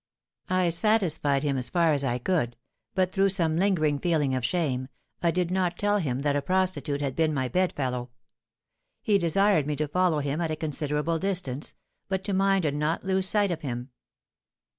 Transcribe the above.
I satisfied him as far as I could; but, through some lingering feeling of shame, I did not tell him that a prostitute had been my bed fellow. He desired me to follow him at a considerable distance, but to mind and not lose sight of him.